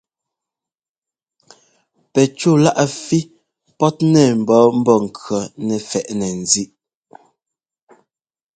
Pɛcúláꞌ fí pɔ́tnɛ mbɔ̌ Mbɔ́ŋkʉɔ́ nɛ fɛ́ꞌnɛ ńzíꞌ.